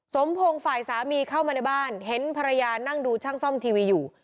สมพงศ์ฝ่ายสามีเข้ามาในบ้านเห็นภรรยานั่งดูช่างซ่อมทีวีอยู่